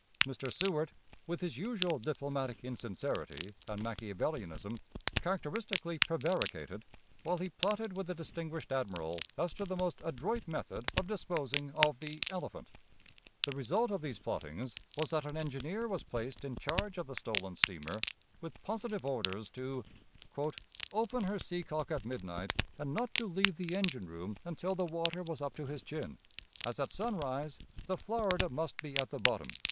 Mr. Seward, with his usual diplomatic insincerity and Machiavellianism, characteristically prevaricated, while he plotted with a distinguished admiral as to the most adroit method of disposing of the "elephant." The result of these plottings was that an engineer was placed in charge of the stolen steamer, with positive orders to "open her sea cock at midnight, and not to leave the engine room until the water was up to his chin, as at sunrise the Florida must be at the bottom."